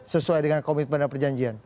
sesuai dengan komitmen dan perjanjian